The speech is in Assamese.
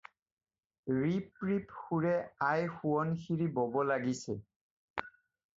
ৰিপ্ ৰিপ্ সুৰে আই সোৱণশিৰী বব লাগিছে।